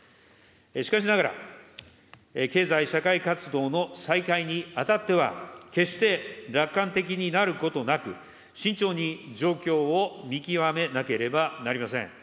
しかしながら、経済社会活動の再開にあたっては、決して楽観的になることなく、慎重に状況を見極めなければなりません。